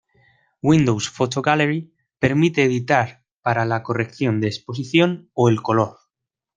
Windows Photo Gallery permite editar para la corrección de exposición o el color.